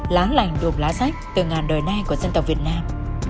lá lành đùm lá sách từ ngàn đời nay của dân tộc việt nam